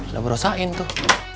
udah berusahain tuh